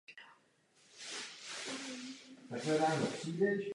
Vyskytuje se zejména na vlhčích místech v teplejších oblastech a v podhůří.